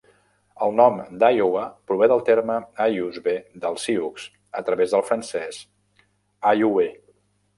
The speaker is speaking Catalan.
El nom de Iaowa prové del terme "ayuxbe" del sioux a través del francès "aiouez".